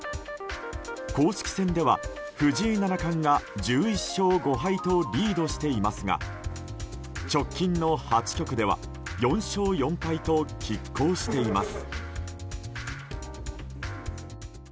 公式戦では藤井七冠が１１勝５敗とリードしていますが直近の８局では４勝４敗と拮抗しています。